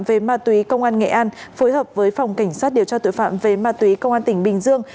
về ma túy công an nghệ an phối hợp với phòng cảnh sát điều tra tội phạm về ma túy công an tỉnh bình dương